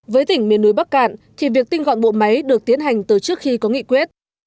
với tỉnh miền núi bắc cạn thì việc tinh gọn bộ máy được tiến hành từ trước khi có nghị quyết